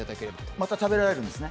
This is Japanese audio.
また食べられるんですね。